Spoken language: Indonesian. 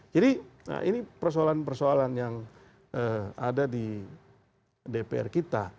ini persoalan persoalan yang ada di dpr kita